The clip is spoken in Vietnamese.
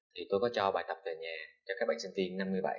thì tôi có cho bài tập về nhà cho các bạn sinh viên năm mươi bảy